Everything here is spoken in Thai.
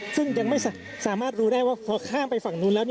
ซึ่งยังไม่สามารถรู้ได้ว่าพอข้ามไปฝั่งนู้นแล้ว